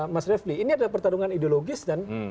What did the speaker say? mas refli ini adalah pertarungan ideologis dan